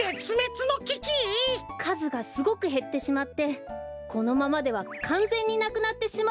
かずがすごくへってしまってこのままではかんぜんになくなってしまうかもしれないんです。